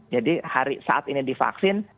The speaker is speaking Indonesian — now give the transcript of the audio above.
jadi saat ini divaksin